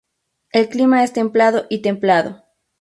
El clima es templado y templado.